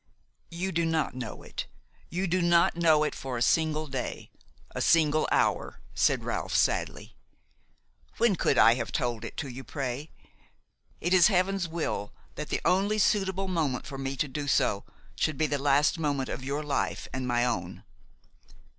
"You do not know it; you do not know it for a single day, a single hour," said Ralph sadly. "When could I have told it to you, pray? It is Heaven's will that the only suitable moment for me to do so, should be the last moment of your life and my own.